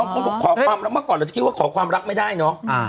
คนบอกขอความรักเมื่อก่อนเราจะคิดว่าขอความรักไม่ได้เนอะ